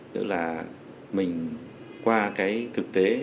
nó là mình qua cái thực tế